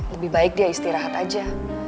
lebih baik dia istirahat aja